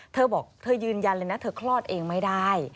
เธอบอกเธอยืนยันเลยนะเธอคลอดเองไม่ได้